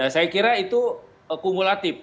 saya kira itu kumulatif